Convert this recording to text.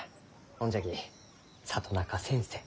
ほんじゃき里中先生